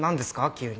急に。